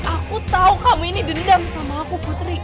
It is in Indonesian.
aku tahu kamu ini dendam sama aku putri